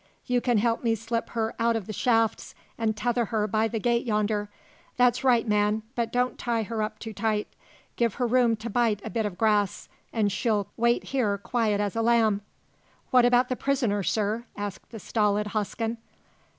You can help me slip her out of the shafts and tether her by the gate yonder. That's right, man; but don't tie her up too tight. Give her room to bite a bit of grass, and she'll wait here quiet as a lamb." "What about the prisoner, sir?" asked the stolid Hosken.